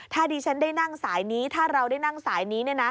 ถ้าดิฉันได้นั่งสายนี้ถ้าเราได้นั่งสายนี้